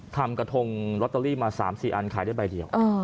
ทำกระทงลอตเตอรี่มา๓๔อันขายได้ใบเดียว